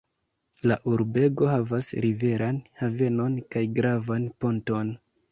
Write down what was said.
La urbego havas riveran havenon kaj gravan ponton.